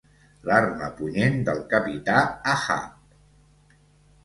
L'arma punyent del capità Ahab.